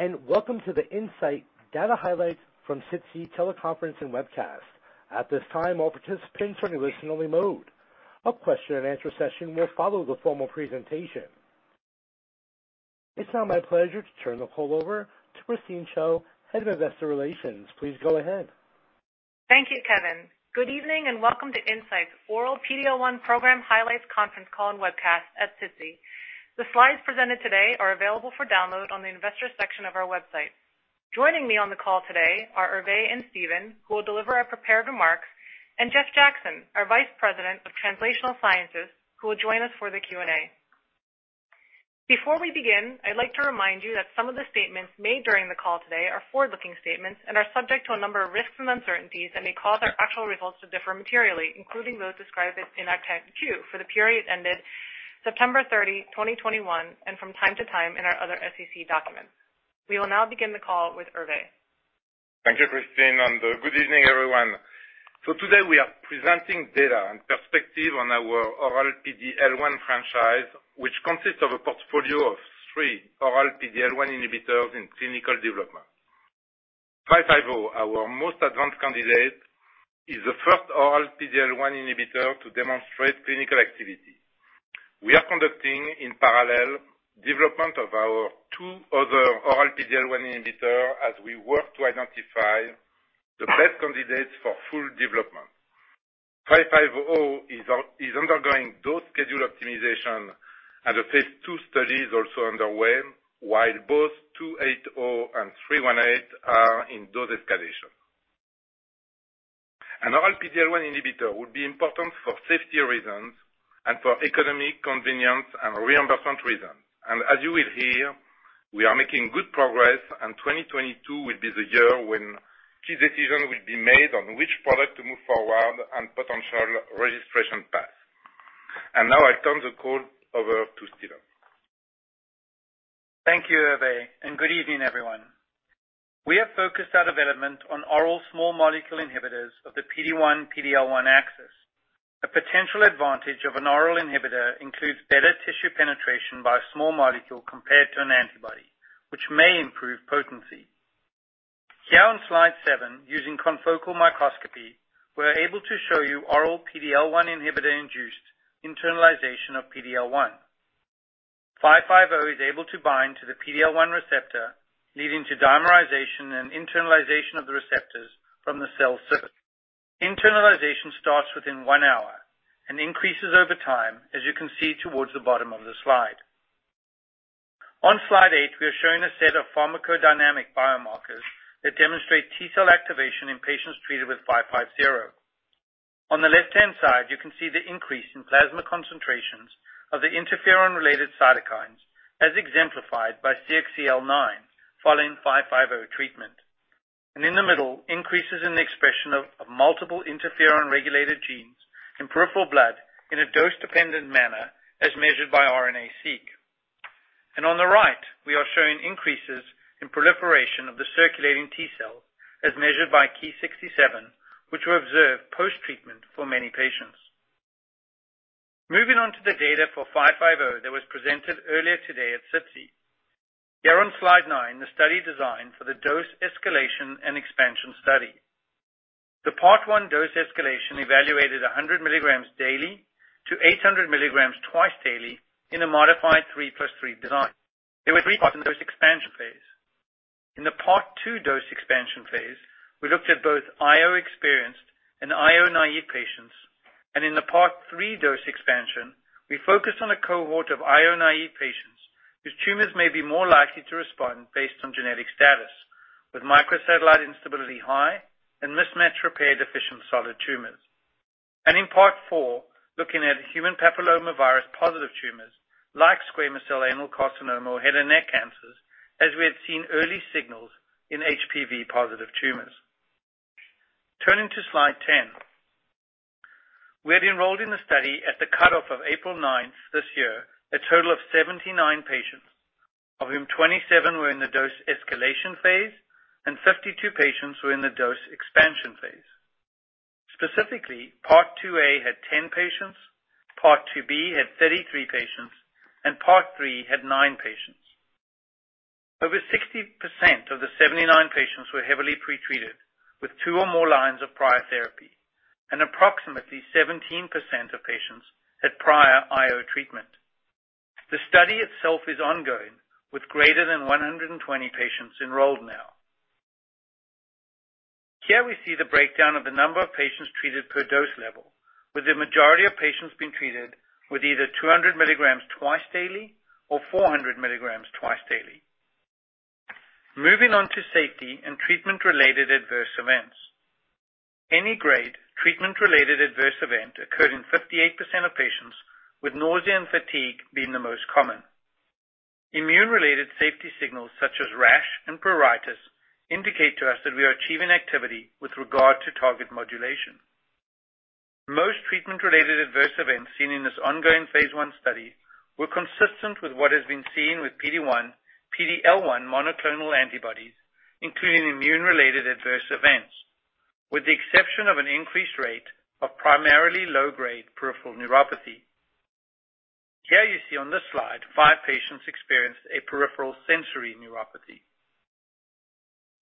Hello, and welcome to the Incyte Data Highlights from SITC Teleconference and Webcast. At this time, all participants are in listen only mode. A question and answer session will follow the formal presentation. It's now my pleasure to turn the call over to Christine Chiou, Head of Investor Relations. Please go ahead. Thank you, Kevin. Good evening, and welcome to Incyte's Oral PD-L1 Program Highlights Conference Call and webcast at SITC. The slides presented today are available for download on the investor section of our website. Joining me on the call today are Hervé and Steven, who will deliver our prepared remarks, and Jeff Jackson, our Vice President of Translational Sciences, who will join us for the Q&A. Before we begin, I'd like to remind you that some of the statements made during the call today are forward-looking statements and are subject to a number of risks and uncertainties that may cause our actual results to differ materially, including those described in our 10-Q for the period ended September 30, 2021, and from time to time in our other SEC documents. We will now begin the call with Hervé. Thank you, Christine, and good evening, everyone. Today we are presenting data and perspective on our oral PD-L1 franchise, which consists of a portfolio of three oral PD-L1 inhibitors in clinical development. INCB086550, our most advanced candidate, is the first oral PD-L1 inhibitor to demonstrate clinical activity. We are conducting in parallel development of our two other oral PD-L1 inhibitor as we work to identify the best candidates for full development. INCB086550 is undergoing dose schedule optimization and a phase II study is also underway, while both INCB099280 and INCB099318 are in dose escalation. An oral PD-L1 inhibitor would be important for safety reasons and for economic convenience and reimbursement reasons. As you will hear, we are making good progress, and 2022 will be the year when key decisions will be made on which product to move forward and potential registration path. Now I turn the call over to Steven. Thank you, Hervé, and good evening, everyone. We have focused our development on oral small molecule inhibitors of the PD-1/PD-L1 axis. A potential advantage of an oral inhibitor includes better tissue penetration by a small molecule compared to an antibody, which may improve potency. Here on slide seven, using confocal microscopy, we're able to show you oral PD-L1 inhibitor-induced internalization of PD-L1. INCB086550 is able to bind to the PD-L1 receptor, leading to dimerization and internalization of the receptors from the cell surface. Internalization starts within one hour and increases over time, as you can see towards the bottom of the slide. On slide eight, we are showing a set of pharmacodynamic biomarkers that demonstrate T-cell activation in patients treated with INCB086550. On the left-hand side, you can see the increase in plasma concentrations of the interferon-related cytokines, as exemplified by CXCL9 following INCB086550 treatment. In the middle, increases in the expression of multiple interferon-regulated genes in peripheral blood in a dose-dependent manner as measured by RNA-seq. On the right, we are showing increases in proliferation of the circulating T-cell as measured by Ki-67, which we observed post-treatment for many patients. Moving on to the data for INCB086550 that was presented earlier today at SITC. Here on slide 9, the study design for the dose escalation and expansion study. The part 1 dose escalation evaluated 100 mg daily to 800 mg twice daily in a modified 3+3 design. There were three parts in the dose expansion phase. In the part 2 dose expansion phase, we looked at both IO-experienced and IO-naive patients. In the part 3 dose expansion, we focused on a cohort of IO-naive patients whose tumors may be more likely to respond based on genetic status with microsatellite instability-high and mismatch repair-deficient solid tumors. In part 4, looking at human papillomavirus-positive tumors like squamous cell anal carcinoma or head and neck cancers, as we had seen early signals in HPV-positive tumors. Turning to slide 10. We had enrolled in the study at the cutoff of April 9 this year, a total of 79 patients, of whom 27 were in the dose escalation phase and 52 patients were in the dose expansion phase. Specifically, part 2A had 10 patients, part 2B had 33 patients, and part 3 had nine patients. Over 60% of the 79 patients were heavily pretreated with two or more lines of prior therapy, and approximately 17% of patients had prior IO treatment. The study itself is ongoing with greater than 120 patients enrolled now. Here we see the breakdown of the number of patients treated per dose level, with the majority of patients being treated with either 200 mg twice daily or 400 mg twice daily. Moving on to safety and treatment-related adverse events. Any grade treatment-related adverse event occurred in 58% of patients, with nausea and fatigue being the most common. Immune-related safety signals such as rash and pruritus indicate to us that we are achieving activity with regard to target modulation. Most treatment-related adverse events seen in this ongoing phase I study were consistent with what has been seen with PD-1/PD-L1 monoclonal antibodies, including immune-related adverse events. With the exception of an increased rate of primarily low-grade peripheral neuropathy. Here you see on this slide, five patients experienced a peripheral sensory neuropathy.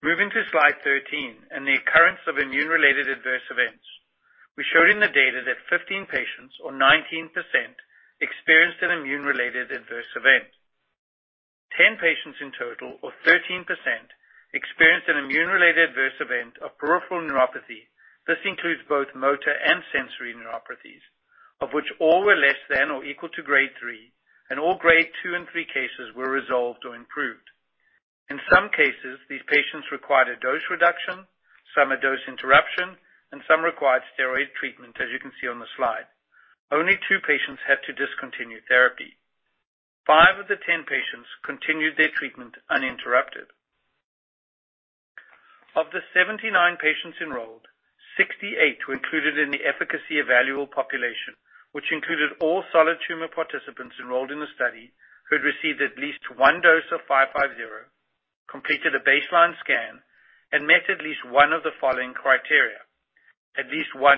Moving to slide 13 and the occurrence of immune-related adverse events. We showed in the data that 15 patients or 19% experienced an immune-related adverse event. 10 patients in total or 13% experienced an immune-related adverse event of peripheral neuropathy. This includes both motor and sensory neuropathies, of which all were less than or equal to grade 3, and all grade 2 and 3 cases were resolved or improved. In some cases, these patients required a dose reduction, some a dose interruption, and some required steroid treatment, as you can see on the slide. Only two patients had to discontinue therapy. Five of the 10 patients continued their treatment uninterrupted. Of the 79 patients enrolled, 68 were included in the efficacy evaluable population, which included all solid tumor participants enrolled in the study who had received at least one dose of INCB086550, completed a baseline scan, and met at least one of the following criteria: At least one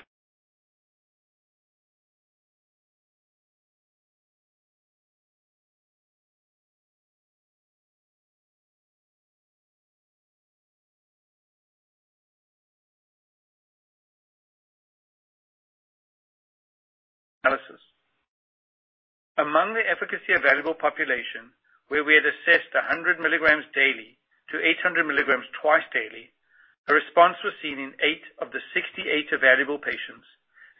analysis. Among the efficacy evaluable population where we had assessed 100 mg daily to 800 mg twice daily, a response was seen in eight of the 68 evaluable patients,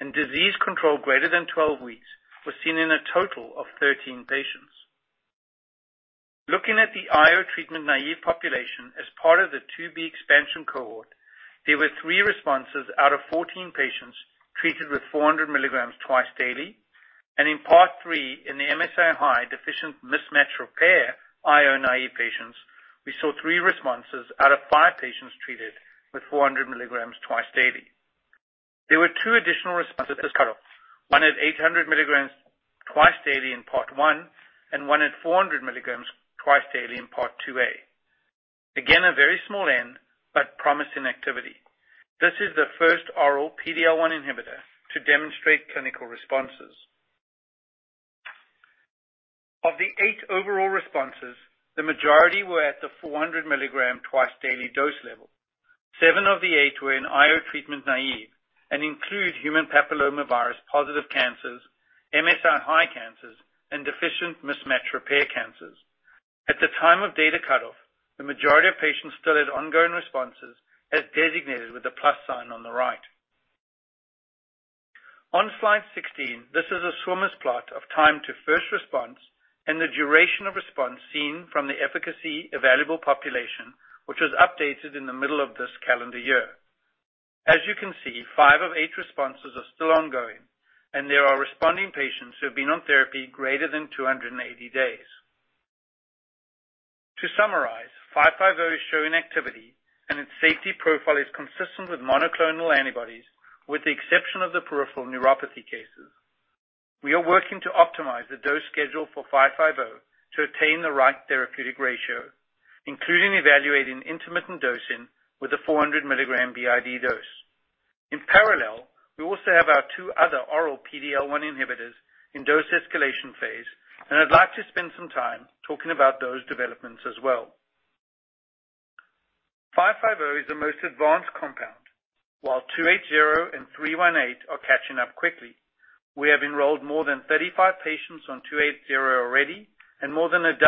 and disease control greater than 12 weeks was seen in a total of 13 patients. Looking at the IO treatment naive population as part of the 2B expansion cohort, there were three responses out of 14 patients treated with 400 mg twice daily. In part 3, in the MSI-high deficient mismatch repair IO naive patients, we saw three responses out of five patients treated with 400 mg twice daily. There were two additional responses at this cutoff, one at 800 mg twice daily in part one, and one at 400 mg twice daily in part 2A. Again, a very small n, but promising activity. This is the first oral PD-L1 inhibitor to demonstrate clinical responses. Of the eight overall responses, the majority were at the 400 mg twice daily dose level. Seven of the eight were in IO treatment naive and include human papillomavirus positive cancers, MSI high cancers, and deficient mismatch repair cancers. At the time of data cutoff, the majority of patients still had ongoing responses as designated with the plus sign on the right. On slide 16, this is a swimmers plot of time to first response and the duration of response seen from the efficacy evaluable population, which was updated in the middle of this calendar year. As you can see, five of eight responses are still ongoing and there are responding patients who have been on therapy greater than 280 days. To summarize, INCB086550 is showing activity and its safety profile is consistent with monoclonal antibodies, with the exception of the peripheral neuropathy cases. We are working to optimize the dose schedule for INCB086550 to attain the right therapeutic ratio, including evaluating intermittent dosing with a 400 mg BID dose. In parallel, we also have our two other oral PD-L1 inhibitors in dose escalation phase, and I'd like to spend some time talking about those developments as well. INCB086550 is the most advanced compound, while INCB099280 and INCB099318 are catching up quickly. We have enrolled more than 35 patients on INCB099280 already and more than 12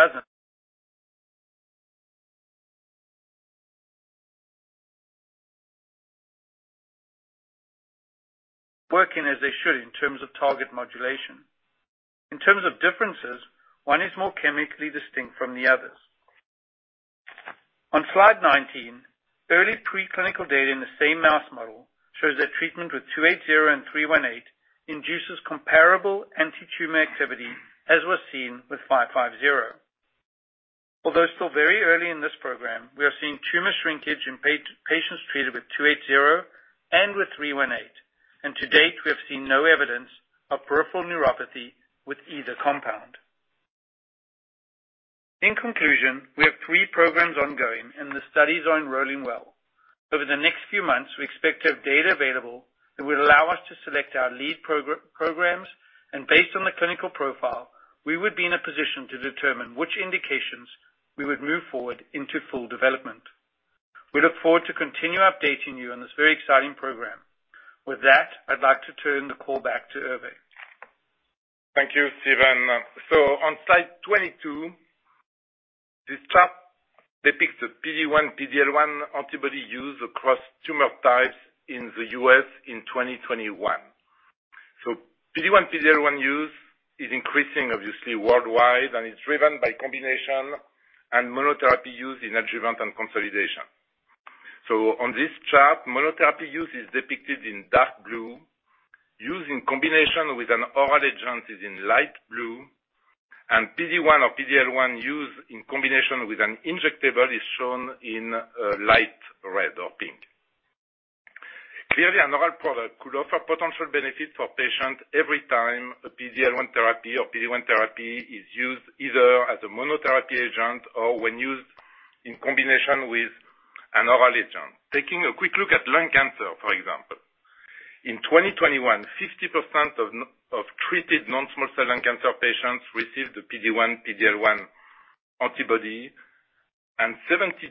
working as they should in terms of target modulation. In terms of differences, one is more chemically distinct from the others. On slide 19, early preclinical data in the same mouse model shows that treatment with INCB099280 and INCB099318 induces comparable antitumor activity as was seen with INCB086550. Although still very early in this program, we are seeing tumor shrinkage in patients treated with INCB099280 and with INCB099318. To date, we have seen no evidence of peripheral neuropathy with either compound. In conclusion, we have three programs ongoing and the studies are enrolling well. Over the next few months, we expect to have data available that will allow us to select our lead programs, and based on the clinical profile, we would be in a position to determine which indications we would move forward into full development. We look forward to continue updating you on this very exciting program. With that, I'd like to turn the call back to Hervé. Thank you, Steven. On slide 22, this chart depicts the PD-1, PD-L1 antibody used across tumor types in the U.S. in 2021. PD-1, PD-L1 use is increasing worldwide, and it's driven by combination and monotherapy used in adjuvant and consolidation. On this chart, monotherapy use is depicted in dark blue. Use in combination with an oral agent is in light blue, and PD-1 or PD-L1 used in combination with an injectable is shown in light red or pink. Clearly, an oral product could offer potential benefit for patients every time a PD-L1 therapy or PD-1 therapy is used, either as a monotherapy agent or when used in combination with an oral agent. Taking a quick look at lung cancer, for example. In 2021, 50% of treated non-small cell lung cancer patients received the PD-1, PD-L1 antibody, and 72%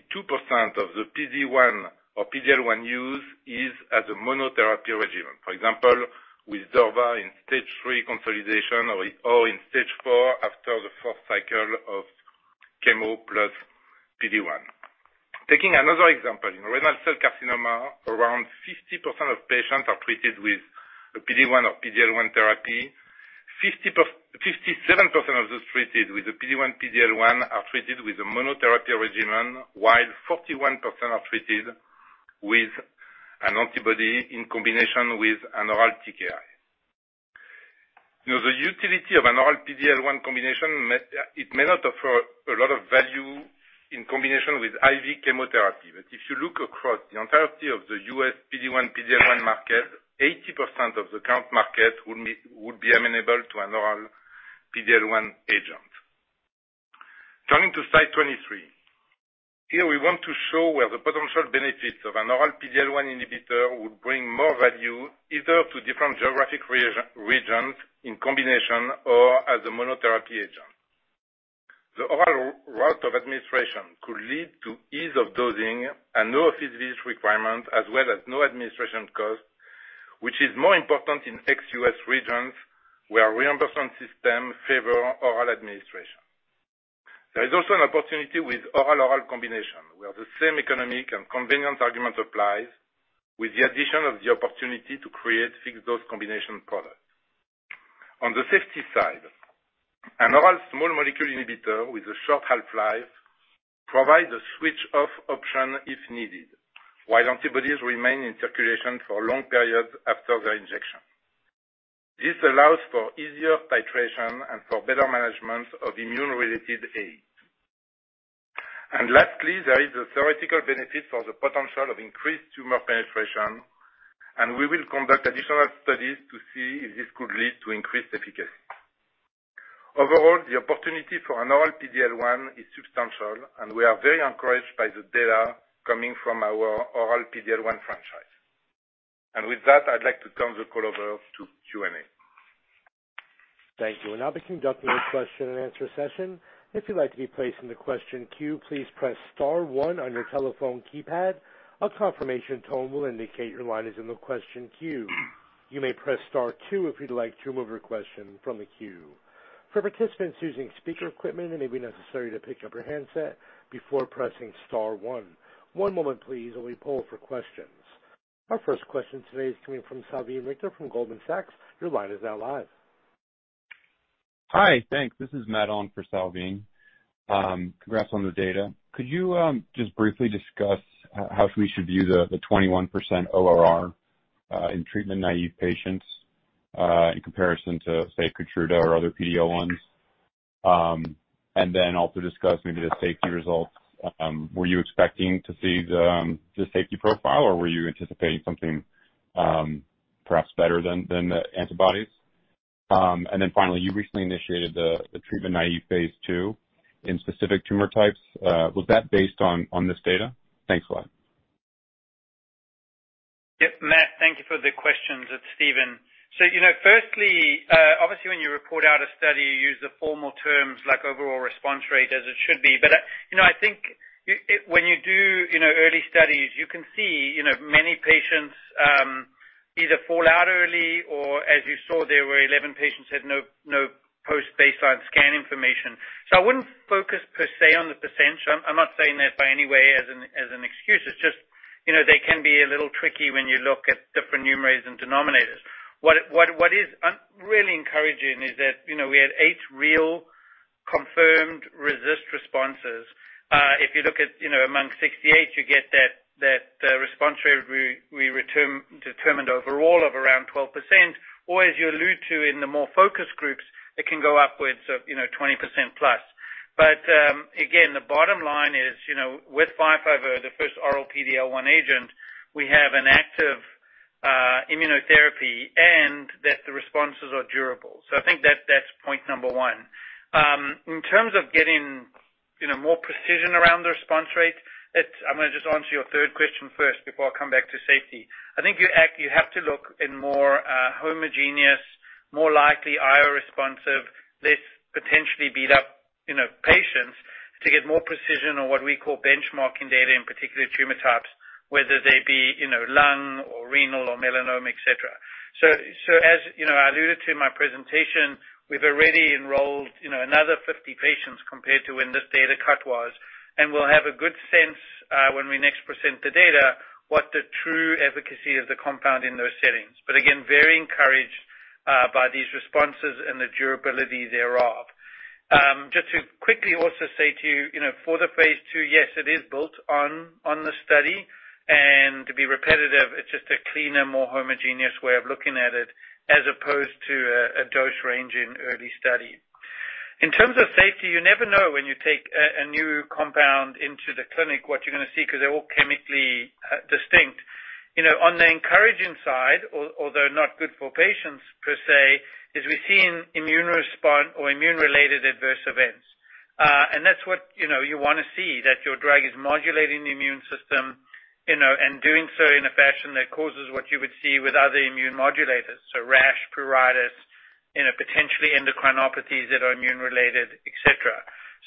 of the PD-1 or PD-L1 used is as a monotherapy regimen. For example, with durvalumab in stage III consolidation or in stage IV after the fourth cycle of chemo plus PD-1. Taking another example, in renal cell carcinoma, around 50% of patients are treated with a PD-1 or PD-L1 therapy. 57% of those treated with the PD-1, PD-L1 are treated with a monotherapy regimen, while 41% are treated with an antibody in combination with an oral TKI. You know, the utility of an oral PD-L1 combination may, it may not offer a lot of value in combination with IV chemotherapy. If you look across the entirety of the U.S. PD-1, PD-L1 market, 80% of the current market would be amenable to an oral PD-L1 agent. Turning to slide 23. Here we want to show where the potential benefits of an oral PD-L1 inhibitor would bring more value either to different geographic regions in combination or as a monotherapy agent. The oral route of administration could lead to ease of dosing and no office visit requirement, as well as no administration cost, which is more important in ex-U.S. regions where reimbursement systems favor oral administration. There is also an opportunity with oral combination, where the same economic and convenience argument applies, with the addition of the opportunity to create fixed dose combination products. On the safety side, an oral small molecule inhibitor with a short half-life provides a switch off option if needed, while antibodies remain in circulation for long periods after the injection. This allows for easier titration and for better management of immune-related AEs. Lastly, there is a theoretical benefit for the potential of increased tumor penetration, and we will conduct additional studies to see if this could lead to increased efficacy. Overall, the opportunity for an oral PD-L1 is substantial, and we are very encouraged by the data coming from our oral PD-L1 franchise. With that, I'd like to turn the call over to Q&A. Thank you. We'll now be conducting a question and answer session. If you'd like to be placed in the question queue, please press star one on your telephone keypad. A confirmation tone will indicate your line is in the question queue. You may press star two if you'd like to remove your question from the queue. For participants using speaker equipment, it may be necessary to pick up your handset before pressing star one. One moment please while we poll for questions. Our first question today is coming from Salveen Richter from Goldman Sachs. Your line is now live. Hi. Thanks. This is Matt on for Salveen. Congrats on the data. Could you just briefly discuss how we should view the 21% ORR in treatment naive patients in comparison to, say, Keytruda or other PD-L1s? And then also discuss maybe the safety results. Were you expecting to see the safety profile, or were you anticipating something perhaps better than the antibodies? And then finally, you recently initiated the treatment naive phase II in specific tumor types. Was that based on this data? Thanks a lot. Yep. Matt, thank you for the questions. It's Steven. You know, firstly, obviously when you report out a study, you use the formal terms like overall response rate as it should be. You know, I think when you do early studies, you can see many patients either fall out early or as you saw, there were 11 patients who had no post baseline scan information. I wouldn't focus per se on the percent. I'm not saying that in any way as an excuse. It's just they can be a little tricky when you look at different numerators and denominators. What is really encouraging is that you know, we had eight real confirmed responses. If you look at, you know, among 68, you get that response rate we determined overall of around 12%, or as you allude to in the more focused groups, it can go upwards of, you know, 20% plus. Again, the bottom line is, you know, with INCB086550, the first oral PD-L1 agent, we have an active immunotherapy and that the responses are durable. I think that's point number one. In terms of getting, you know, more precision around the response rate, it's. I'm gonna just answer your third question first before I come back to safety. I think you have to look in more homogeneous, more likely IO responsive, less potentially beat up, you know, patients to get more precision on what we call benchmarking data, in particular tumor types, whether they be, you know, lung or renal or melanoma, et cetera. As you know, I alluded to in my presentation, we've already enrolled, you know, another 50 patients compared to when this data cut was. We'll have a good sense when we next present the data, what the true efficacy of the compound in those settings. Again, very encouraged by these responses and the durability thereof. Just to quickly also say to you know, for the phase II, yes, it is built on the study. To be repetitive, it's just a cleaner, more homogeneous way of looking at it as opposed to a dose range in early study. In terms of safety, you never know when you take a new compound into the clinic, what you're gonna see 'cause they're all chemically distinct. You know, on the encouraging side, although not good for patients per se, is we're seeing immune-related adverse events. That's what, you know, you wanna see that your drug is modulating the immune system, you know, and doing so in a fashion that causes what you would see with other immune modulators. Rash, pruritus, you know, potentially endocrinopathies that are immune-related, et cetera.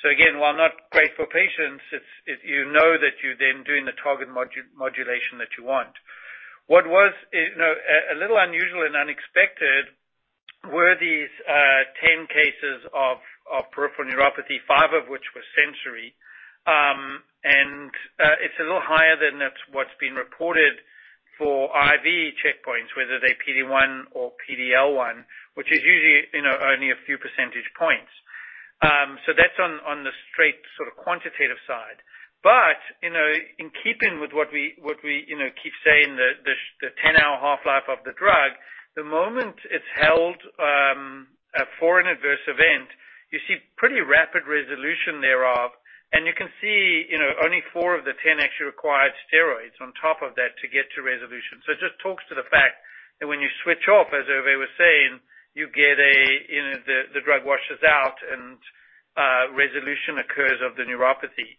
Again, while not great for patients, it's you know that you're then doing the target modulation that you want. What was, you know, a little unusual and unexpected were these 10 cases of peripheral neuropathy, five of which were sensory. It's a little higher than what's been reported for IO checkpoints, whether they're PD-1 or PD-L1, which is usually, you know, only a few percentage points. So that's on the straight sort of quantitative side. You know, in keeping with what we keep saying the 10-hour half-life of the drug, the moment it's held for an adverse event, you see pretty rapid resolution thereof. You can see, you know, only four of the 10 actually required steroids on top of that to get to resolution. It just talks to the fact that when you switch off, as Hervé was saying, you get a, you know, the drug washes out and resolution occurs of the neuropathy.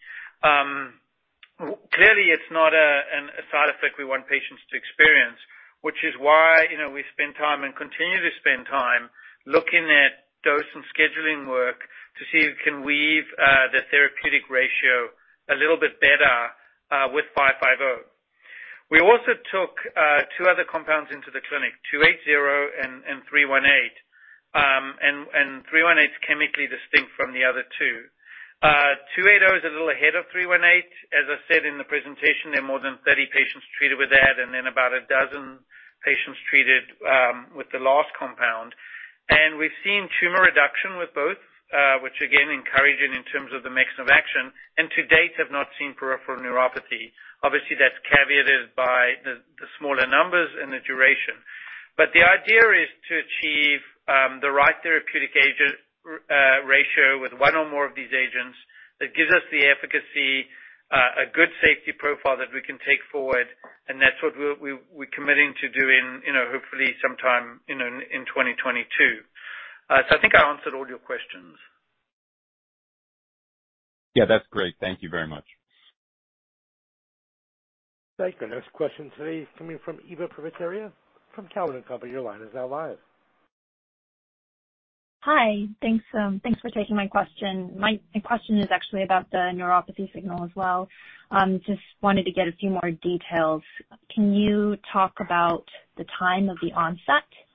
Clearly it's not a side effect we want patients to experience, which is why, you know, we spend time and continue to spend time looking at dose and scheduling work to see if we can improve the therapeutic ratio a little bit better with INCB086550. We also took two other compounds into the clinic, INCB099280 and INCB099318. INCB099318 is chemically distinct from the other two. INCB099280 is a little ahead of INCB099318. As I said in the presentation, there are more than 30 patients treated with that and then about 12 patients treated with the last compound. We've seen tumor reduction with both, which again, encouraging in terms of the mechanism of action and to date have not seen peripheral neuropathy. Obviously, that's caveated by the smaller numbers and the duration. The idea is to achieve the right therapeutic agent ratio with one or more of these agents that gives us the efficacy, a good safety profile that we can take forward, and that's what we're committing to doing, you know, hopefully sometime in 2022. I think I answered all your questions. Yeah, that's great. Thank you very much. Thank you. Next question today is coming from Yaron Werber from Cowen and Company. Your line is now live. Hi. Thanks for taking my question. My question is actually about the neuropathy signal as well. Just wanted to get a few more details. Can you talk about the time of the onset and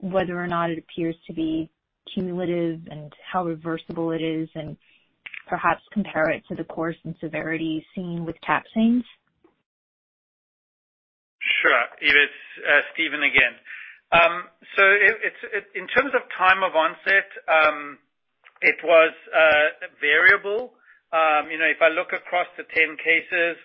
whether or not it appears to be cumulative and how reversible it is, and perhaps compare it to the course and severity seen with Taxanes? Sure. Yaron, it's Steven again. It's in terms of time of onset, it was variable. You know, if I look across the 10 cases,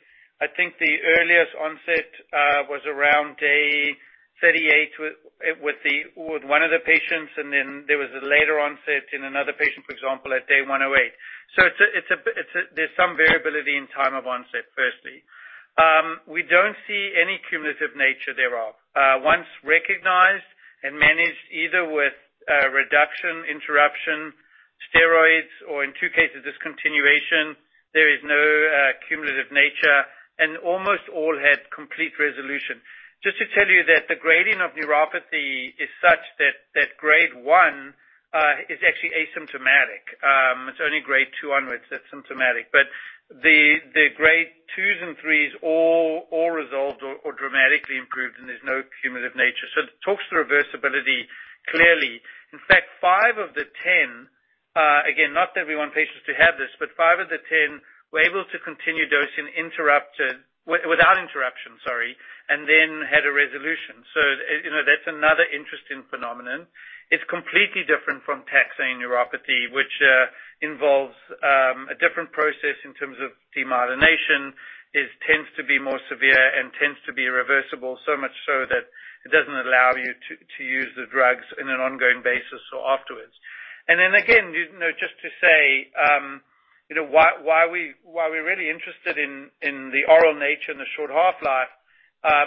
I think the earliest onset was around day 38 with one of the patients, and then there was a later onset in another patient, for example, at day 108. There's some variability in time of onset, firstly. We don't see any cumulative nature thereof. Once recognized and managed either with reduction, interruption, steroids, or in two cases, discontinuation, there is no cumulative nature, and almost all had complete resolution. Just to tell you that the grading of neuropathy is such that grade 1 is actually asymptomatic. It's only grade 2 onwards that's symptomatic. The grade 2s and 3s all resolved or dramatically improved, and there's no cumulative nature. It talks to reversibility clearly. In fact, five of the 10, again, not that we want patients to have this, but 5 of the 10 were able to continue dosing without interruption, and then had a resolution. You know, that's another interesting phenomenon. It's completely different from Taxane neuropathy, which involves a different process in terms of demyelination. It tends to be more severe and tends to be reversible, so much so that it doesn't allow you to use the drugs in an ongoing basis or afterwards. You know, just to say, why we're really interested in the oral nature and the short half-life,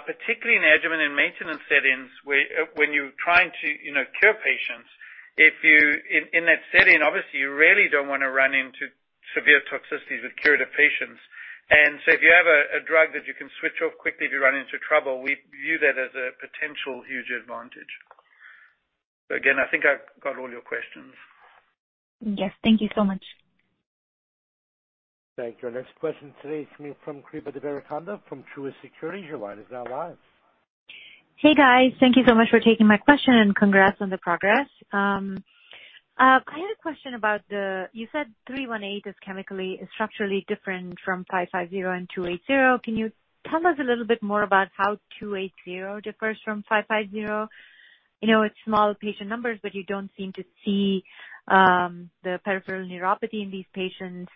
particularly in adjuvant and maintenance settings where when you're trying to, you know, cure patients, in that setting, obviously, you really don't wanna run into severe toxicities with curative patients. If you have a drug that you can switch off quickly if you run into trouble, we view that as a potential huge advantage. Again, I think I've got all your questions. Yes. Thank you so much. Thank you. Our next question today is coming from Srikripa Devarakonda from Truist Securities. Your line is now live. Hey, guys. Thank you so much for taking my question, and congrats on the progress. I had a question. You said INCB099318 is chemically and structurally different from INCB086550 and INCB099280. Can you tell us a little bit more about how INCB099280 differs from INCB086550? You know, it's small patient numbers, but you don't seem to see the peripheral neuropathy in these patients.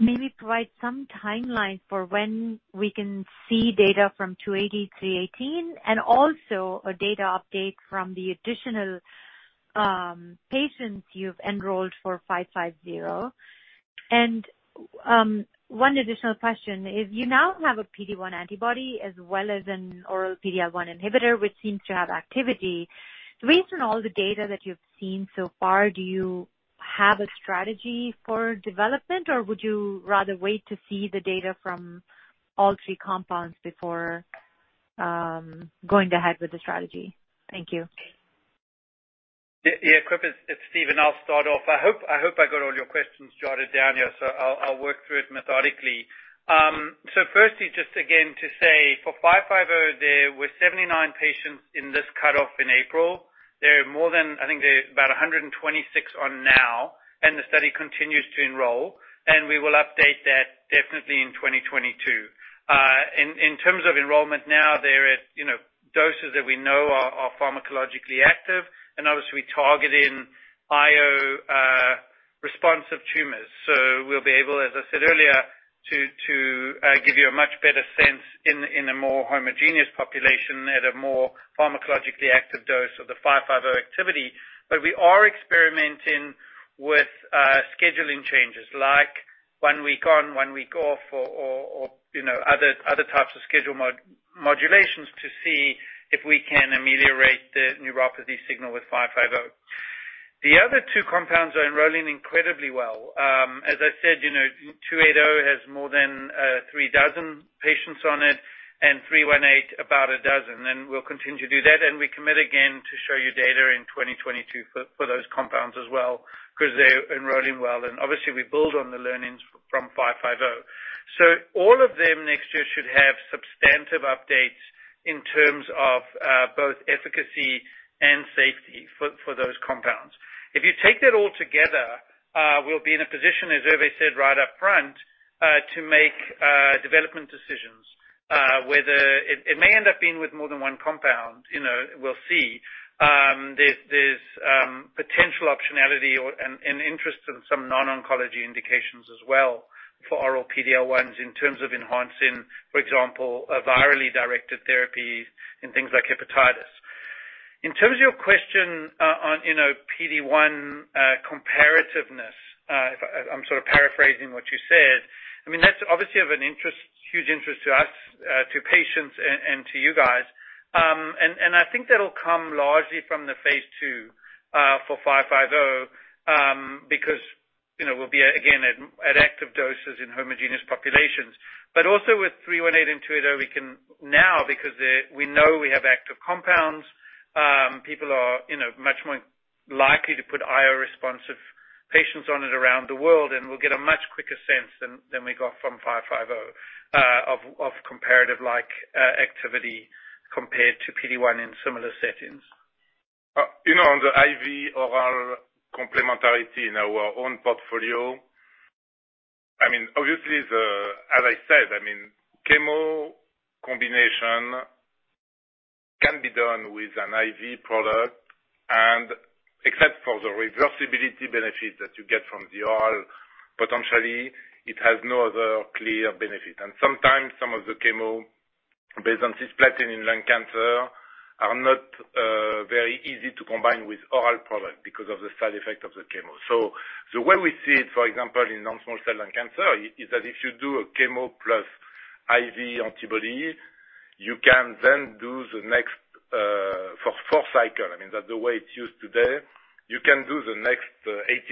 Maybe provide some timeline for when we can see data from INCB099280, INCB099318, and also a data update from the additional patients you've enrolled for INCB086550. One additional question is you now have a PD-1 antibody as well as an oral PD-L1 inhibitor, which seems to have activity. Based on all the data that you've seen so far, do you have a strategy for development, or would you rather wait to see the data from all three compounds before going ahead with the strategy? Thank you. Yeah. Yeah, Kripa, it's Steven. I'll start off. I hope I got all your questions jotted down here, so I'll work through it methodically. So firstly, just again to say for INCB086550, there were 79 patients in this cutoff in April. There are more than I think there are about 126 on now, and the study continues to enroll, and we will update that definitely in 2022. In terms of enrollment now, they're at, you know, doses that we know are pharmacologically active, and obviously we target in IO responsive tumors. So we'll be able, as I said earlier, to give you a much better sense in a more homogeneous population at a more pharmacologically active dose of the INCB086550 activity. We are experimenting with scheduling changes like one week on, one week off or you know, other types of schedule modulations to see if we can ameliorate the neuropathy signal with INCB086550. The other two compounds are enrolling incredibly well. As I said, you know, INCB099280 has more than three dozen patients on it and INCB099318 about dozen, and we'll continue to do that. We commit again to show you data in 2022 for those compounds as well, 'cause they're enrolling well. Obviously we build on the learnings from INCB086550. All of them next year should have substantive updates in terms of both efficacy and safety for those compounds. If you take that all together, we'll be in a position, as Hervé said right up front, to make development decisions, whether it may end up being with more than one compound, you know. We'll see. There's potential optionality or and interest in some non-oncology indications as well for oral PD-L1s in terms of enhancing, for example, a virally directed therapy in things like hepatitis. In terms of your question, on, you know, PD-1 comparativeness, if I'm sort of paraphrasing what you said, I mean, that's obviously of interest, huge interest to us, to patients and to you guys. I think that'll come largely from the phase II for INCB086550, because, you know, we'll be again at active doses in homogeneous populations. Also with INCB099318 and INCB099280 we can now because we know we have active compounds, people are, you know, much more likely to put IO responsive patients on it around the world, and we'll get a much quicker sense than we got from INCB086550 of comparative like activity compared to PD-1 in similar settings. You know, on the IV oral complementarity in our own portfolio, I mean, obviously. As I said, I mean, chemo combination can be done with an IV product and except for the reversibility benefit that you get from the oral, potentially it has no other clear benefit. Sometimes some of the chemo based on cisplatin in lung cancer are not very easy to combine with oral product because of the side effect of the chemo. Where we see it, for example, in non-small cell lung cancer is that if you do a chemo plus IV antibody, you can then do the next 4 cycles. I mean, that's the way it's used today. You can do the next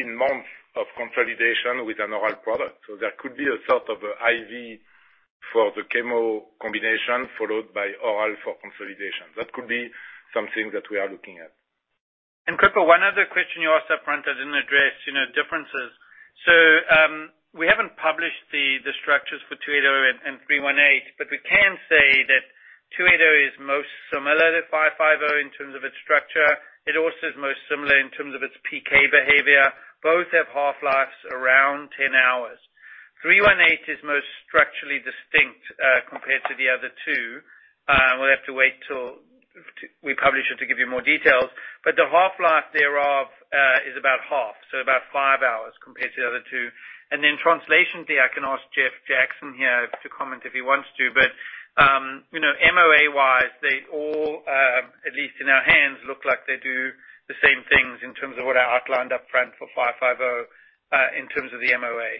18 months of consolidation with an oral product. That could be a sort of IV for the chemo combination followed by oral for consolidation. That could be something that we are looking at. Kripa, one other question you asked up front I didn't address, you know, differences. We haven't published the structures for INCB099280 and INCB099318, but we can say that INCB099280 is most similar to INCB086550 in terms of its structure. It also is most similar in terms of its PK behavior. Both have half-lives around 10 hours. Three-one-eight is most structurally distinct, compared to the other two. We'll have to wait till we publish it to give you more details, but the half-life thereof is about half, so about five hours compared to the other two. Translationally, I can ask Jeff Jackson here to comment if he wants to. You know, MOA-wise, they all, at least in our hands, look like they do the same things in terms of what I outlined up front for INCB086550, in terms of the MOA.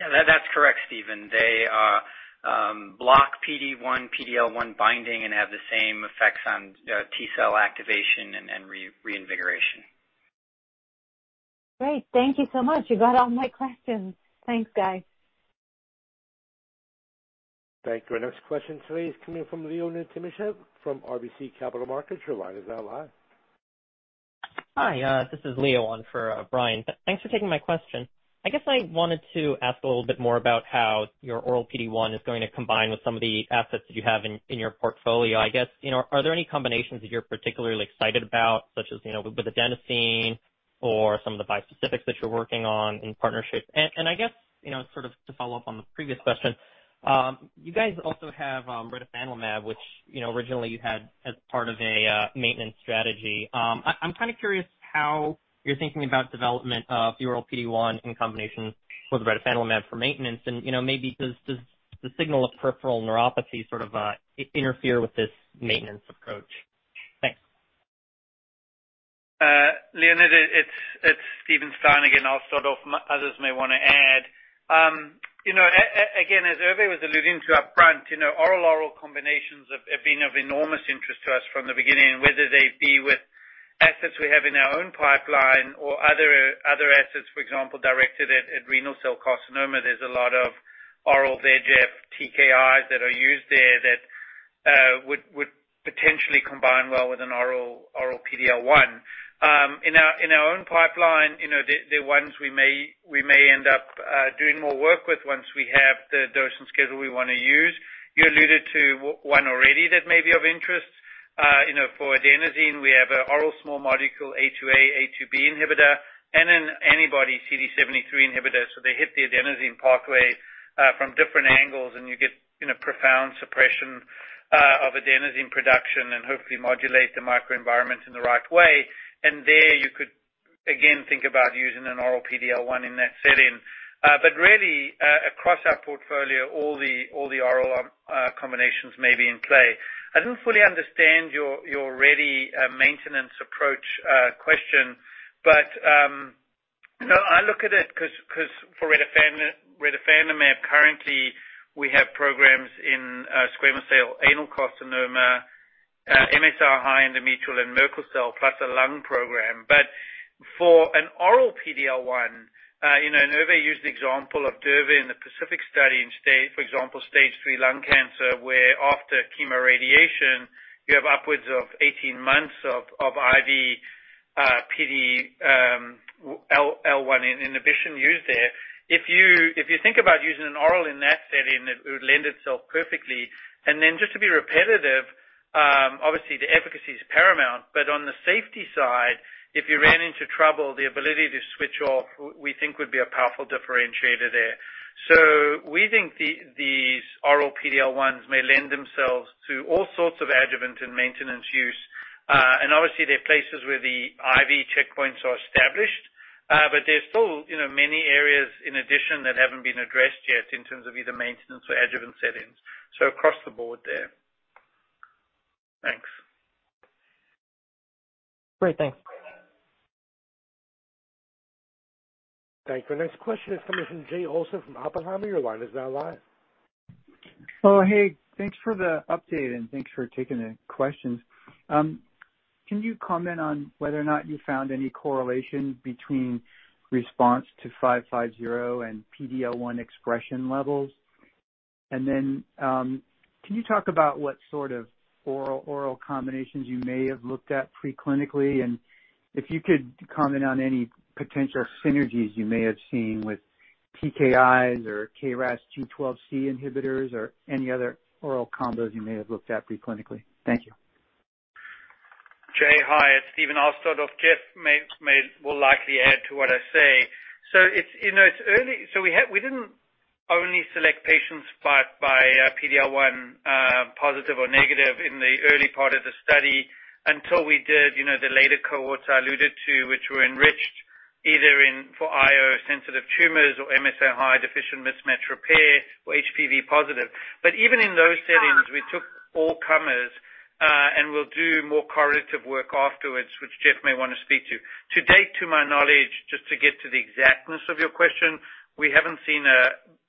Yeah, that's correct, Steven. They block PD-1, PD-L1 binding and have the same effects on T-cell activation and reinvigoration. Great. Thank you so much. You got all my questions. Thanks, guys. Thank you. Our next question today is coming from Luca Issi from RBC Capital Markets. Your line is now live. Hi, this is Luca Issi on for Brian. Thanks for taking my question. I wanted to ask a little bit more about how your oral PD-1 is going to combine with some of the assets that you have in your portfolio. You know, are there any combinations that you're particularly excited about such as, you know, with adenosine or some of the bispecifics that you're working on in partnerships? You know, sort of to follow up on the previous question, you guys also have retifanlimab, which, you know, originally you had as part of a maintenance strategy. I'm kind of curious how you're thinking about development of the oral PD-1 in combination with retifanlimab for maintenance. You know, maybe does the signal of peripheral neuropathy sort of interfere with this maintenance approach? Thanks. Leonard, it's Steven Stein again. I'll start off, others may wanna add. You know, again, as Hervé was alluding to up front, you know, oral combinations have been of enormous interest to us from the beginning, whether they be with assets we have in our own pipeline or other assets, for example, directed at renal cell carcinoma. There's a lot of oral VEGF TKIs that are used there that would potentially combine well with an oral PD-L1. In our own pipeline, you know, the ones we may end up doing more work with once we have the dosing schedule we wanna use. You alluded to one already that may be of interest. You know, for adenosine, we have an oral small molecule A2A/A2B inhibitor and an antibody CD73 inhibitor, so they hit the adenosine pathway from different angles and you get, you know, profound suppression of adenosine production and hopefully modulate the microenvironment in the right way. There you could again think about using an oral PD-L1 in that setting. But really, across our portfolio, all the oral combinations may be in play. I didn't fully understand your PD-1 maintenance approach question, but no, I look at it 'cause for retifanlimab, currently we have programs in squamous cell anal carcinoma, MSI-high endometrial and Merkel cell plus a lung program. For an oral PD-L1, you know, Hervé used the example of durvalumab in the PACIFIC Study in stage III lung cancer, for example, where after chemoradiation you have upwards of 18 months of IV PD-L1 inhibition used there. If you think about using an oral in that setting, it would lend itself perfectly. Then just to be repetitive, obviously the efficacy is paramount, but on the safety side, if you ran into trouble, the ability to switch off we think would be a powerful differentiator there. We think these oral PD-L1 may lend themselves to all sorts of adjuvant and maintenance use. Obviously there are places where the IO checkpoints are established, but there's still, you know, many areas in addition that haven't been addressed yet in terms of either maintenance or adjuvant settings. Across the board there. Thanks. Great. Thanks. Thank you. Next question is coming from Jay Olson from Oppenheimer. Your line is now live. Oh, hey, thanks for the update, and thanks for taking the questions. Can you comment on whether or not you found any correlation between response to INCB086550 and PD-L1 expression levels? Can you talk about what sort of oral-oral combinations you may have looked at preclinically? If you could comment on any potential synergies you may have seen with TKIs or KRAS G12C inhibitors or any other oral combos you may have looked at preclinically. Thank you. Jay Olson, hi, it's Steven Stein. Jeff may will likely add to what I say. It's early. We didn't only select patients by PD-L1 positive or negative in the early part of the study until we did the later cohorts I alluded to, which were enriched either for IO-sensitive tumors or MSI-high or mismatch repair-deficient or HPV-positive. Even in those settings, we took all comers, and we'll do more correlative work afterwards, which Jeff may wanna speak to. To date, to my knowledge, just to get to the exactness of your question, we haven't seen,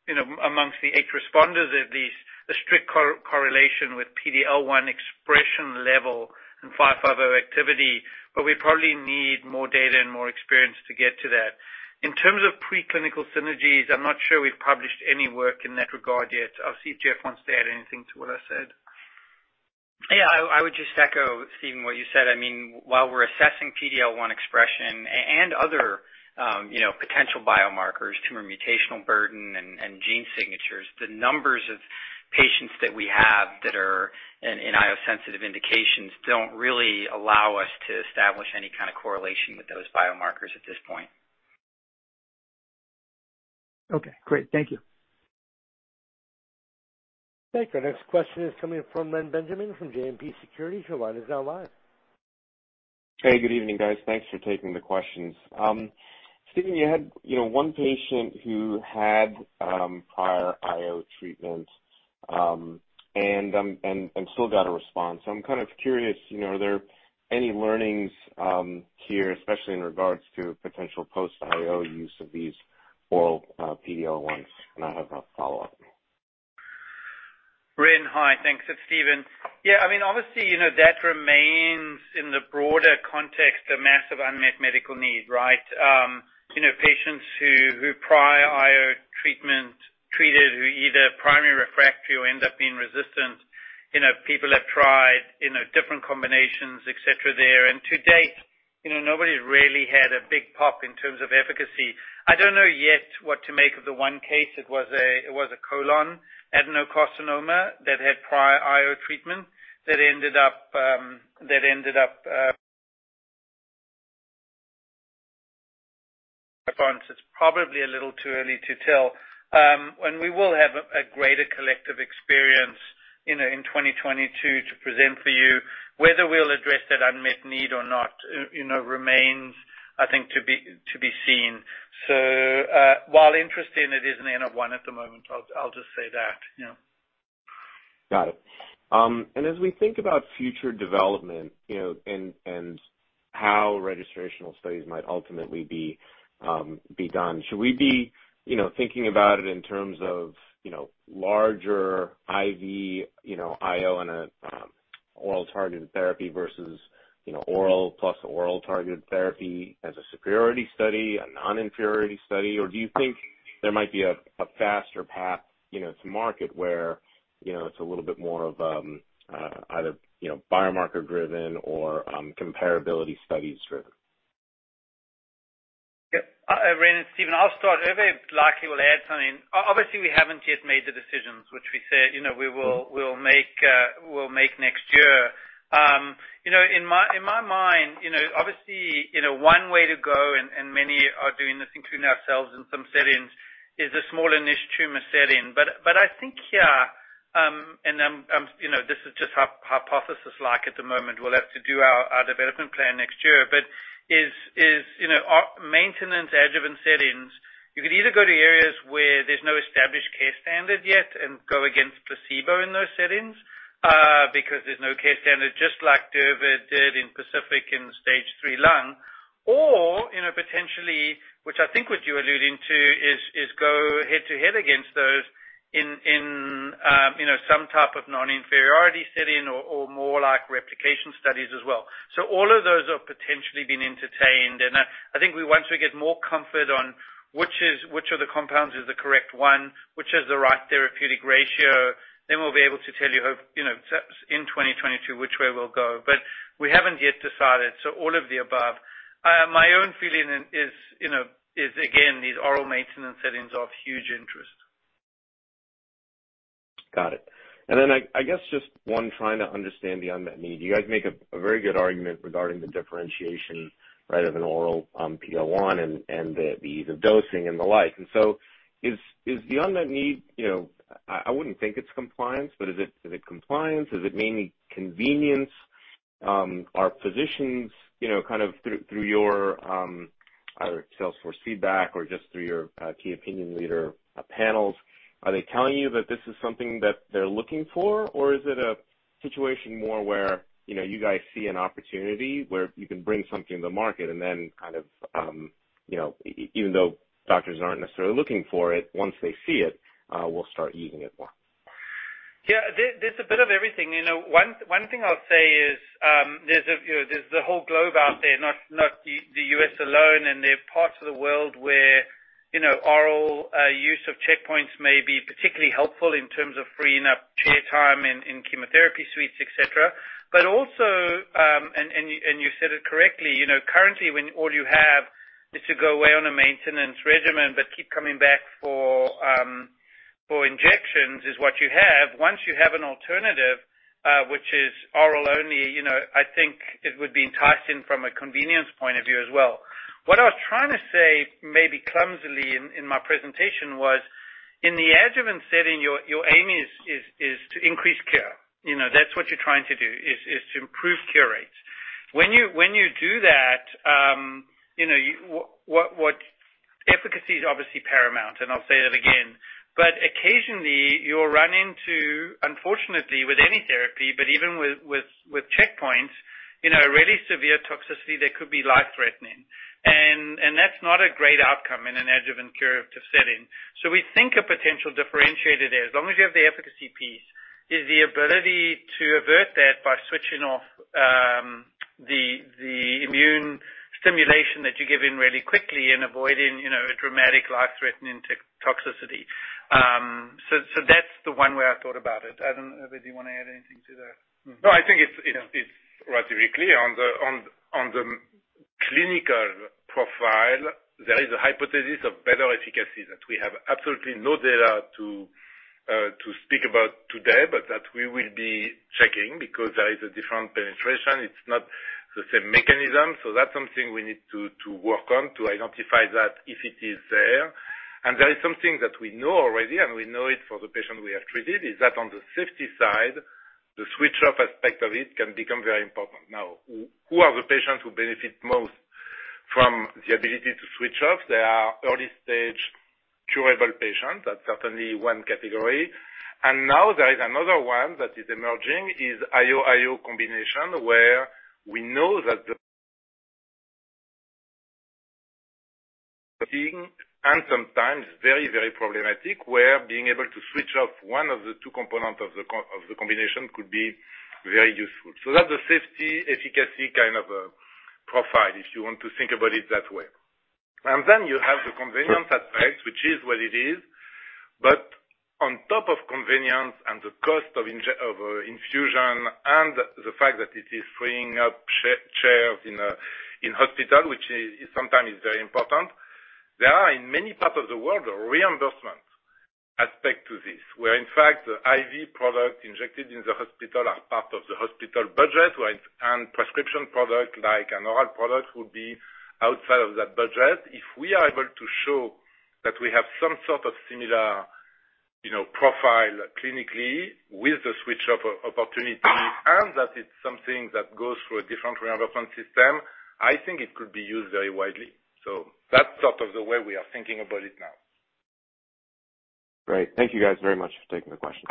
you know, amongst the eight responders at least, a strict correlation with PD-L1 expression level and INCB086550 activity, but we probably need more data and more experience to get to that. In terms of preclinical synergies, I'm not sure we've published any work in that regard yet. I'll see if Jeff wants to add anything to what I said. Yeah, I would just echo, Steven, what you said. I mean, while we're assessing PD-L1 expression and other, you know, potential biomarkers, tumor mutational burden and gene signatures, the numbers of patients that we have that are in IO sensitive indications don't really allow us to establish any kind of correlation with those biomarkers at this point. Okay, great. Thank you. Thank you. Our next question is coming from Reni Benjamin from JMP Securities. Your line is now live. Hey, good evening, guys. Thanks for taking the questions. Steven, you had, you know, one patient who had prior IO treatment and still got a response. I'm kind of curious, you know, are there any learnings here, especially in regards to potential post IO use of these oral PD-L1s? I have a follow-up. Reni, hi. Thanks. It's Steven. Yeah, I mean, obviously, you know, that remains in the broader context, a massive unmet medical need, right? You know, patients with prior IO treatment, who either primary refractory or end up being resistant, you know, people have tried, you know, different combinations, et cetera, there. To date, you know, nobody really had a big pop in terms of efficacy. I don't know yet what to make of the one case. It was a colon adenocarcinoma that had prior IO treatment that ended up response. It's probably a little too early to tell. We will have a greater collective experience, you know, in 2022 to present for you. Whether we'll address that unmet need or not, you know, remains, I think, to be seen. While interesting, it isn't n of one at the moment. I'll just say that, you know. Got it. As we think about future development, you know, and how registrational studies might ultimately be done, should we be, you know, thinking about it in terms of, you know, larger IV, you know, IO and oral targeted therapy versus, you know, oral plus oral targeted therapy as a superiority study, a non-inferiority study? Do you think there might be a faster path, you know, to market where, you know, it's a little bit more of either, you know, biomarker driven or comparability studies driven? Yeah. Reni and Steven, I'll start. Hervé likely will add something. Obviously, we haven't yet made the decisions which we said, you know, we will, we'll make next year. You know, in my mind, you know, obviously, you know, one way to go and many are doing this, including ourselves in some settings, is a smaller niche tumor setting. But I think, yeah, and I'm you know, this is just hypothesis like at the moment, we'll have to do our development plan next year. But in you know, our maintenance adjuvant settings, you could either go to areas where there's no established care standard yet and go against placebo in those settings, because there's no care standard, just like Hervé did in PACIFIC in stage III lung. You know, potentially, which I think what you're alluding to is go head to head against those in you know, some type of non-inferiority setting or more like replication studies as well. All of those have potentially been entertained. I think once we get more comfort on which of the compounds is the correct one, which has the right therapeutic ratio, then we'll be able to tell you know, perhaps in 2022, which way we'll go. We haven't yet decided, so all of the above. My own feeling is, you know, again, these oral maintenance settings are of huge interest. Got it. Then I guess just one trying to understand the unmet need. You guys make a very good argument regarding the differentiation, right, of an oral PD-1 and the ease of dosing and the like. Is the unmet need, you know, I wouldn't think it's compliance, but is it compliance? Is it mainly convenience? Are physicians, you know, kind of through your either sales force feedback or just through your key opinion leader panels, telling you that this is something that they're looking for? Or is it a situation more where, you know, you guys see an opportunity where you can bring something to market and then kind of, you know, even though doctors aren't necessarily looking for it, once they see it, will start using it more? Yeah. There's a bit of everything. You know, one thing I'll say is, there's the whole globe out there, not the U.S. alone. There are parts of the world where, you know, oral use of checkpoints may be particularly helpful in terms of freeing up chair time in chemotherapy suites, etc. But also, you said it correctly, you know, currently when all you have is to go away on a maintenance regimen but keep coming back for injections is what you have. Once you have an alternative, which is oral only, you know, I think it would be enticing from a convenience point of view as well. What I was trying to say, maybe clumsily in my presentation, was in the adjuvant setting, your aim is to increase cure. You know, that's what you're trying to do, is to improve cure rates. When you do that, you know, efficacy is obviously paramount, and I'll say that again. Occasionally you'll run into, unfortunately with any therapy, but even with checkpoints, you know, really severe toxicity that could be life-threatening. That's not a great outcome in an adjuvant curative setting. We think a potential differentiator there, as long as you have the efficacy piece, is the ability to avert that by switching off the immune stimulation that you give in really quickly and avoiding, you know, a dramatic life-threatening toxicity. That's the one way I thought about it. I don't know, Hervé, do you want to add anything to that? No, I think it's relatively clear. On the clinical profile, there is a hypothesis of better efficacy that we have absolutely no data to speak about today, but that we will be checking because there is a different penetration. It's not the same mechanism. That's something we need to work on to identify that if it is there. There is something that we know already, and we know it for the patient we have treated, is that on the safety side, the switch off aspect of it can become very important. Now, who are the patients who benefit most from the ability to switch off? They are early stage curable patients. That's certainly one category. Now there is another one that is emerging, is IO/IO combination, where we know that the. Sometimes very, very problematic, where being able to switch off one of the two components of the combination could be very useful. That's the safety efficacy kind of profile, if you want to think about it that way. Then you have the convenience aspect, which is what it is. On top of convenience and the cost of infusion and the fact that it is freeing up chairs in a hospital, which sometimes is very important. There are, in many parts of the world, a reimbursement aspect to this, where in fact the IV product injected in the hospital are part of the hospital budget, right? Prescription product, like an oral product, would be outside of that budget. If we are able to show that we have some sort of similar, you know, profile clinically with the switch of opportunity and that it's something that goes through a different reimbursement system, I think it could be used very widely. That's sort of the way we are thinking about it now. Great. Thank you guys very much for taking the questions.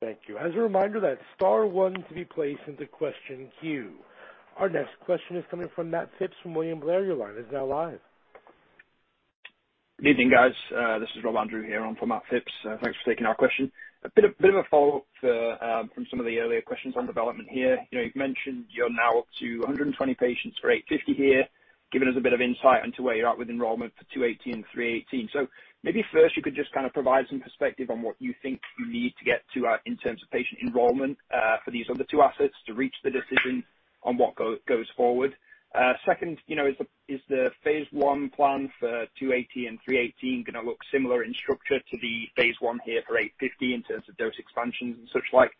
Thank you. As a reminder, that's star one to be placed into question queue. Our next question is coming from Matt Phipps from William Blair. Your line is now live. Good evening, guys. This is Rob Andrew here on for Matt Phipps. Thanks for taking our question. A bit of a follow-up from some of the earlier questions on development here. You know, you've mentioned you're now up to 120 patients for eight fifty here, giving us a bit of insight into where you're at with enrollment for two eighteen and three eighteen. Maybe first, you could just kinda provide some perspective on what you think you need to get to in terms of patient enrollment for these other two assets to reach the decision on what goes forward. Second, you know, is the phase I plan for two eighteen and three eighteen gonna look similar in structure to the phase I here for eight fifty in terms of dose expansions and such like?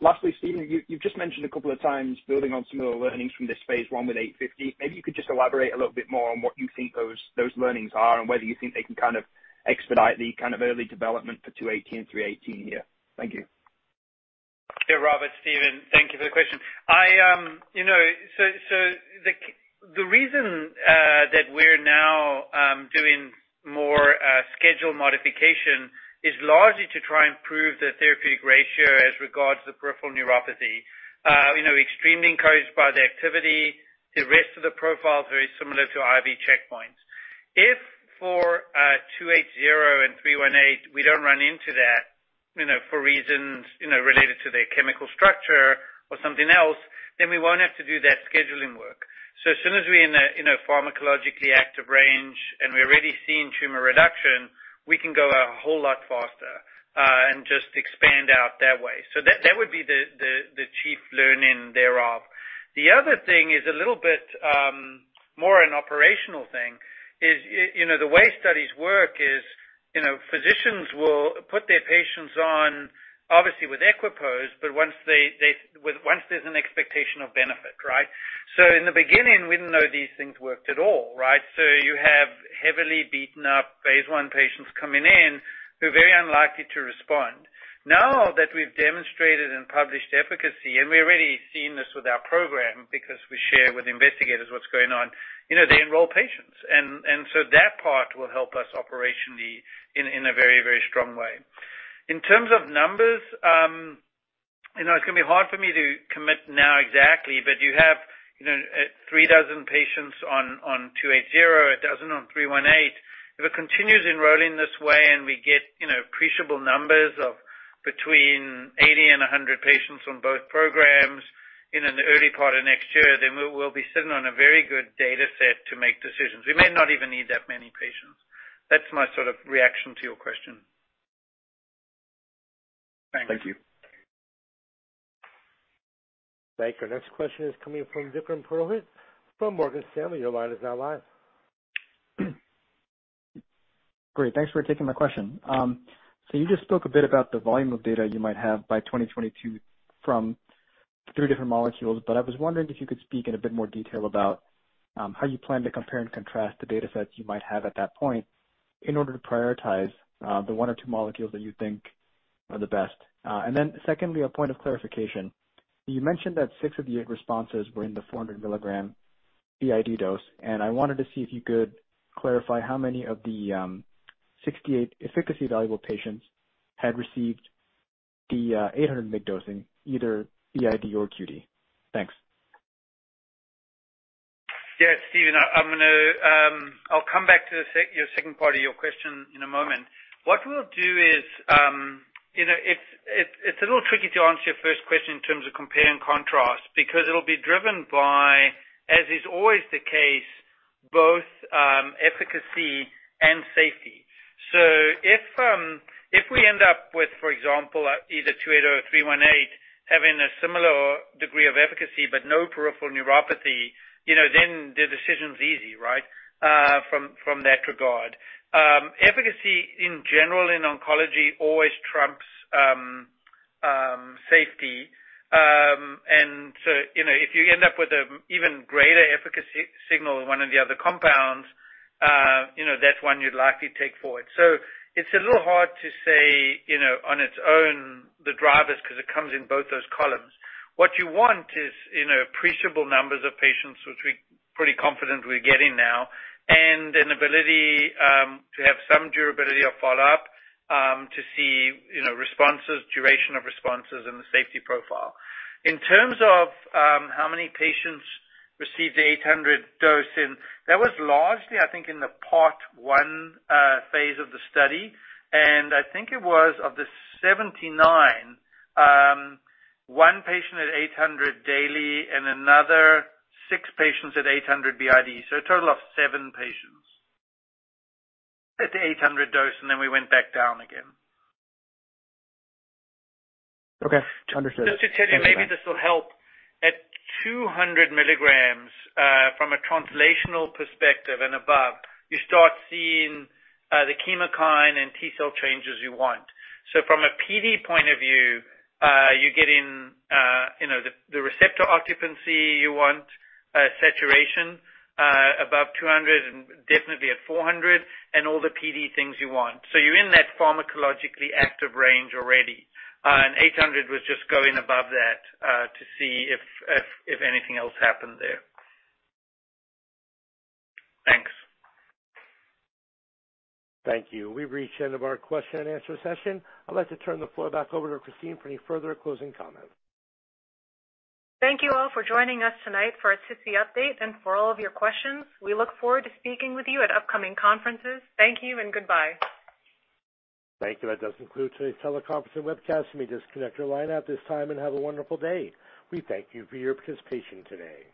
Lastly, Steven, you've just mentioned a couple of times building on some of the learnings from this phase I with INCB086550. Maybe you could just elaborate a little bit more on what you think those learnings are and whether you think they can kind of expedite the kind of early development for INCB099280 and INCB099318 here. Thank you. Yeah. Rob, Steven, thank you for the question. I. You know, so the reason that we're now doing more schedule modification is largely to try and prove the therapeutic ratio as regards to peripheral neuropathy. You know, extremely encouraged by the activity. The rest of the profile is very similar to IV checkpoints. If for INCB099280 and INCB099318, we don't run into that, you know, for reasons, you know, related to their chemical structure or something else, then we won't have to do that scheduling work. So as soon as we're in a pharmacologically active range, and we're already seeing tumor reduction, we can go a whole lot faster and just expand out that way. So that would be the chief learning thereof. The other thing is a little bit more an operational thing. You know, the way studies work is, you know, physicians will put their patients on obviously with equipoise, but once there's an expectation of benefit, right? In the beginning, we didn't know these things worked at all, right? You have heavily beaten up phase I patients coming in who are very unlikely to respond. Now that we've demonstrated and published efficacy, and we've already seen this with our program because we share with investigators what's going on, you know, they enroll patients. That part will help us operationally in a very strong way. In terms of numbers, you know, it's gonna be hard for me to commit now exactly. You have, you know, 3,000 patients on INCB099280, 1,000 on INCB099318. If it continues enrolling this way and we get, you know, appreciable numbers of between 80 and 100 patients on both programs in an early part of next year, then we'll be sitting on a very good data set to make decisions. We may not even need that many patients. That's my sort of reaction to your question. Thank you. Thank you. Our next question is coming from Vikram Purohit from Morgan Stanley. Your line is now live. Great. Thanks for taking my question. You just spoke a bit about the volume of data you might have by 2022 from three different molecules, but I was wondering if you could speak in a bit more detail about how you plan to compare and contrast the data sets you might have at that point in order to prioritize the one or two molecules that you think are the best. Secondly, a point of clarification. You mentioned that six of the eight responses were in the 400 mg BID dose, and I wanted to see if you could clarify how many of the 68 efficacy-evaluable patients had received the 800 mg dose in either BID or QD. Thanks. Yeah. Steven, I'm gonna come back to the second part of your question in a moment. What we'll do is, you know, it's a little tricky to answer your first question in terms of compare and contrast, because it'll be driven by, as is always the case, both efficacy and safety. If we end up with, for example, either INCB099280 or INCB099318, having a similar degree of efficacy but no peripheral neuropathy, you know, then the decision's easy, right? From that regard. Efficacy in general in oncology always trumps safety. You know, if you end up with a even greater efficacy signal in one of the other compounds, you know, that's one you'd likely take forward. It's a little hard to say, you know, on its own the drivers, 'cause it comes in both those columns. What you want is, you know, appreciable numbers of patients, which we're pretty confident we're getting now, and an ability to have some durability of follow-up to see, you know, responses, duration of responses and the safety profile. In terms of how many patients received the 800 dose in, that was largely, I think, in the Part 1 phase of the study. I think it was, of the 79, one patient at 800 daily and another six patients at 800 BID. A total of seven patients at the 800 dose, and then we went back down again. Okay. Understood. Thank you. Just to tell you, maybe this will help. At 200 milligrams, from a translational perspective and above, you start seeing the chemokine and T-cell changes you want. From a PD point of view, you're getting, you know, the receptor occupancy you want, saturation above 200 and definitely at 400, and all the PD things you want. You're in that pharmacologically active range already. And 800 was just going above that to see if anything else happened there. Thanks. Thank you. We've reached the end of our question and answer session. I'd like to turn the floor back over to Christine for any further closing comments. Thank you all for joining us tonight for our SITC update and for all of your questions. We look forward to speaking with you at upcoming conferences. Thank you and goodbye. Thank you. That does conclude today's teleconference and webcast. You may disconnect your line at this time and have a wonderful day. We thank you for your participation today.